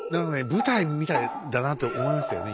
舞台みたいだなって思いましたよね